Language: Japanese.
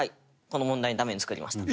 この問題のために作りました。